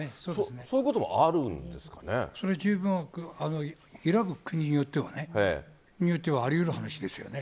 そういうこともそれは十分、選ぶ国によってはね、ありうる話ですよね。